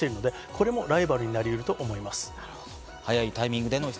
これもライバルになり得ると思います。